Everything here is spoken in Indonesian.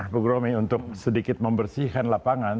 bu gromi untuk sedikit membersihkan lapangan